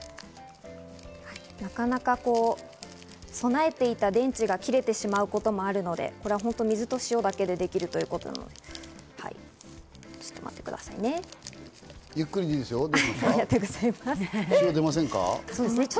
なかなか備えていた電池が切れてしまうこともあるので、これは本当に水と塩だけでできるということなんです。